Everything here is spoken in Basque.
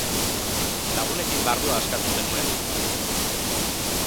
Lagunekin barrua askatu zenuen?